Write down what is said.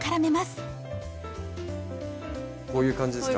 こういう感じですか？